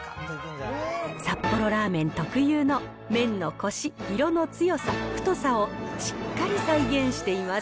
札幌ラーメン特有の麺のこし、色の強さ、太さをしっかり再現しています。